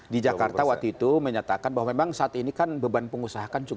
di jakarta waktu itu menyatakan bahwa memang saat ini kan beban pengusaha kan cukup